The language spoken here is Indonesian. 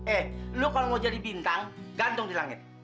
eh lu kalau mau jadi bintang gantung di langit